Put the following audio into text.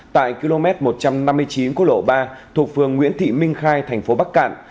tại km một trăm năm mươi chín của lộ ba thuộc phường nguyễn thị minh khai thành phố bắc cạn